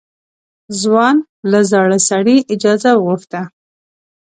ځوان له زاړه سړي اجازه وغوښته.